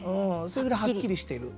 それぐらいはっきりしている。